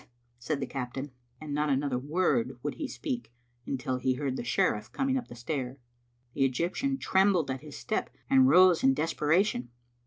said the captain, and not another word would he speak iintil he heard the sheriflE coming up the stair. The Egyptian trembled at his step, and rose in desperation.